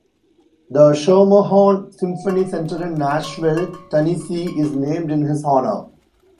The Schermerhorn Symphony Center in Nashville, Tennessee, is named in his honor.